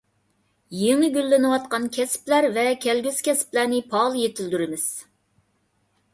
يېڭى گۈللىنىۋاتقان كەسىپلەر ۋە كەلگۈسى كەسىپلەرنى پائال يېتىلدۈرىمىز.